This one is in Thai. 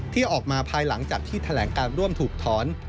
ที่ออกมาภายหลังจากที่แถลงการร่วมถูกถอน